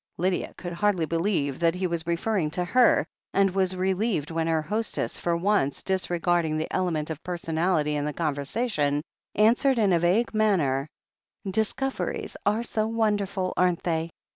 Lydia could hardly believe that he was referring to her, and was relieved when her hostess, for once dis regarding the element of personality in the conversa tion, answered in a vague manner : "Discoveries are so wonderful, aren't they?